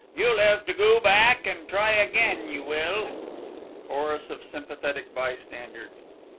you'll 'ev to goo back and try agen you will. CHORUS OF SYMPATHETIC BYSTANDERS.